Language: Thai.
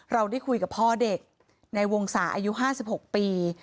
เราได้คุยกับพ่อเด็กในวงศาอายุ๕๖ปี